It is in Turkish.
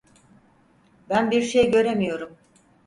Ben bir şey göremiyorum.